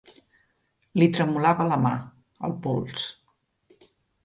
Li tremolava la mà, el pols.